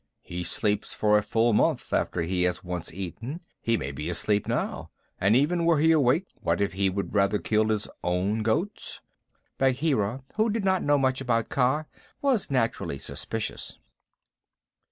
"He sleeps for a full month after he has once eaten. He may be asleep now, and even were he awake what if he would rather kill his own goats?" Bagheera, who did not know much about Kaa, was naturally suspicious.